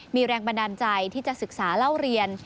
มีแรงบันดาลใจที่จะศึกษาเล่าเรียน